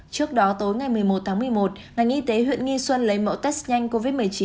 trước đó tối ngày một mươi một tháng một mươi một ngành y tế huyện nghi xuân lấy mẫu test nhanh covid một mươi chín